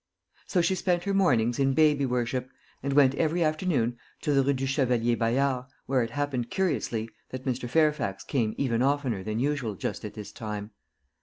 So she spent her mornings in baby worship, and went every afternoon to the Rue du Chevalier Bayard, where it happened curiously that Mr. Fairfax came even oftener than usual just at this time.